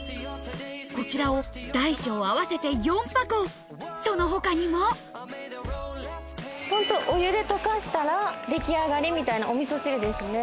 こちらを大小合わせて４箱その他にもホントお湯で溶かしたら出来上がりみたいなおみそ汁ですね。